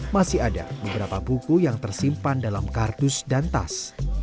masih ada beberapa buku yang tersimpan dalam kardus dan tas